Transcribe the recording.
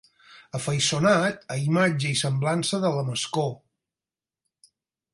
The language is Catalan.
Afaiçonat a imatge i semblança de la Mascó.